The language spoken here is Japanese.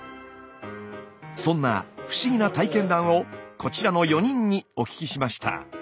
そんな不思議な体験談をこちらの４人にお聞きしました。